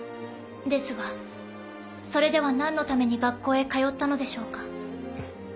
ですがそれでは何のために学校へ通ったのでしょうか。